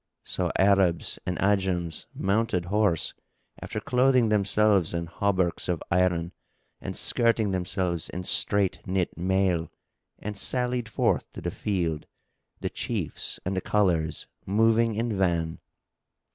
So Arabs and Ajams mounted horse, after clothing themselves in hauberks of iron and shirting themselves in straight knit mail, and sallied forth to the field, the Chiefs and the colours moving in van.